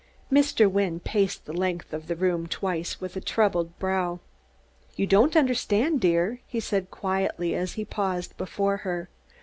Mr. Wynne paced the length of the room twice, with troubled brow. "You don't understand, dear," he said quietly, as he paused before her.